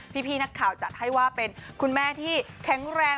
พี่นักข่าวจัดให้ว่าเป็นคุณแม่ที่แข็งแรง